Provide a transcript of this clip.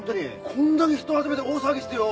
こんだけ人集めて大騒ぎしてよ！